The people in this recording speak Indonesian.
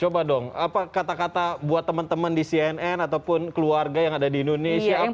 coba dong apa kata kata buat temen temen di cnn ataupun keluarga yang ada di indonesia apa nih